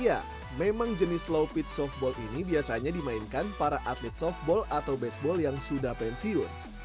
iya memang jenis low pitch softball ini biasanya dimainkan para atlet softball atau baseball yang sudah pensiun